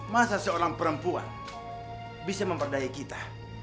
masa seorang perempuan bisa memperdaya kita